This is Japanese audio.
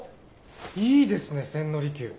いいですね千利休。